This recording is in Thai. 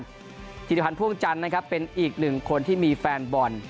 ธิริพันธ์พ่วงจันทร์นะครับเป็นอีกหนึ่งคนที่มีแฟนบอล